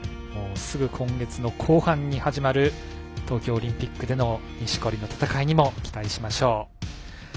すぐ今月の後半に始める東京オリンピックの錦織の戦いにも期待しましょう。